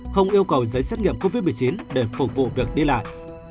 không yêu cầu giấy xét nghiệm covid một mươi chín để phục vụ việc đi lại